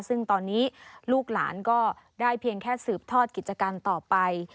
ซึ่งตอนนี้ลูกหลานก็ได้เพียงแค่สืบทอดกิจการต่อไป